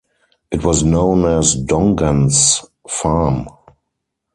It was known as Dongan's Farm.